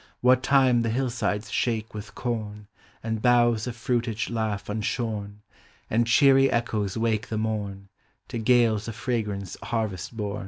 What time the hillsides shake with corn And boughs of fruitage laugh unshorn And cheery echoes wake the morn To gales of fragrance harvest born.